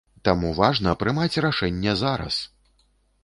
Таму важна прымаць рашэнне зараз!